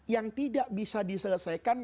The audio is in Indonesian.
yang tidak bisa diselesaikan